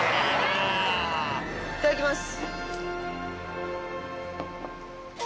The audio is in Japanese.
いただきます。